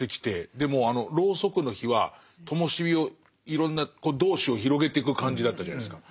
でもあのロウソクの火は灯し火をいろんなこう同志を広げていく感じだったじゃないですか。